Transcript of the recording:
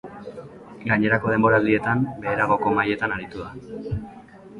Gainerako denboraldietan, beheragoko mailetan aritu da.